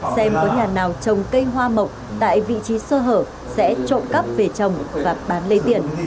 xem có nhà nào trồng cây hoa mộc tại vị trí sơ hở sẽ trộm cắp về trồng và bán lấy tiền